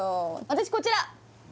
私こちら！